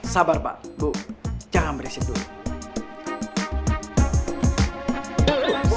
sabar pak ibu jangan beresip dulu